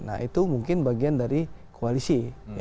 nah itu mungkin bagian dari koalisi